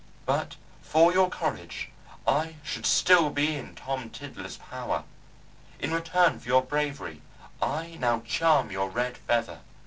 But for your courage I should still be in Tom Tiddler's power. In return for your bravery I now charm your Red Feather.